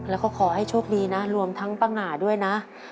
แล้วก็ขอให้โชคดีนะรวมทั้งป้าง่าด้วยนะ